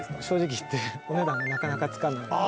正直言ってお値段なかなかつかない。